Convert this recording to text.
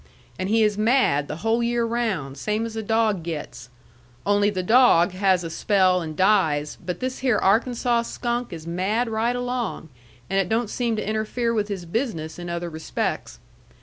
And he is mad the whole year round, same as a dog gets. Only the dog has a spell and dies but this here Arkansaw skunk is mad right along, and it don't seem to interfere with his business in other respects.